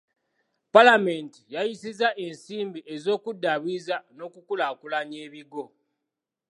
Paalamenti yayisizza ensimbi ez’okuddaabiriza n’okukulaakulanya ebigo.